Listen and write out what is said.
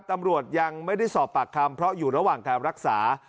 ตำรวจยังไม่ได้สอบปากคำเพราะอยู่ระหว่างการรักษา